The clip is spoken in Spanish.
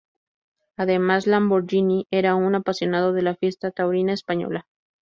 Además, Lamborghini era un apasionado de la fiesta taurina española.